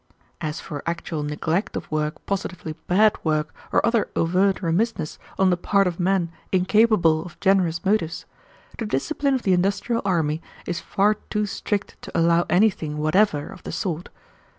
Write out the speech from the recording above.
"As for actual neglect of work positively bad work, or other overt remissness on the part of men incapable of generous motives, the discipline of the industrial army is far too strict to allow anything whatever of the sort.